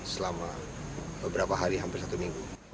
selama beberapa hari hampir satu minggu